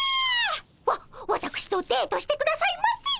わわたくしとデートしてくださいませ！